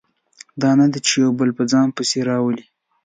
دا نه ده چې یو بل په ځان پسې راولي.